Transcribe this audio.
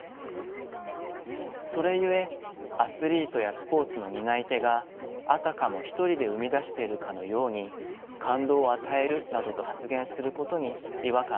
それゆえアスリートやスポーツの担い手があたかも一人で生み出しているかのように「感動を与える」などと発言することに違和感が生じるのでしょう。